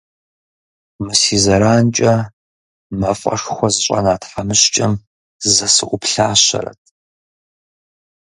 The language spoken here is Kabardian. Мы си зэранкӏэ мафӏэшхуэр зыщӏэна тхьэмыщкӏэм зэ сыӏуплъащэрэт.